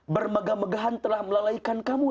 bermegah megahan telah melalaikan kamu